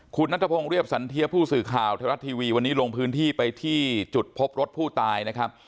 คุณนัทพงศ์เรียบสันเทียผู้สื่อข่าวไทยรัฐทีวีวันนี้ลงพื้นที่ไปที่จุดพบรถผู้ตายนะครับ